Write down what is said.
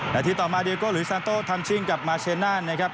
หน้าทีต่อมาเดียโกะลวิซันโท่ทำชิงกับมัชเชน่านะครับ